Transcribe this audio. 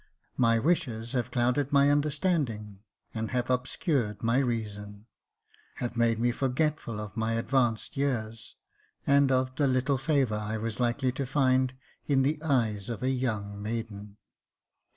My wishes have clouded my understanding, and have obscured my reason ; have made me forgetful of my advanced years, and of the little favour I was likely to find in the eyes of a' young maiden.